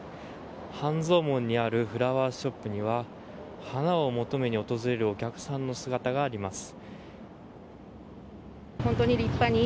半蔵門にあるフラワーショップには花を求めに訪れるお客さんの姿があります。